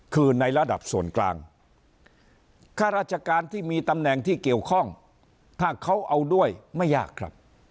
คือในระดับส่วนกลางข้าราชการที่มีตำแหน่งที่เกี่ยวข้องถ้าเขาเอาด้วยไม่ยากครับ